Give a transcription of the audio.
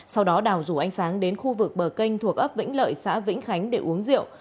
sau đó đào rủ ánh sáng đến khu vực bờ kênh thuộc ấp vĩnh lợi xã vĩnh khánh để uống rượu